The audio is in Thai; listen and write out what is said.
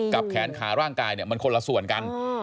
แขนขาร่างกายเนี่ยมันคนละส่วนกัน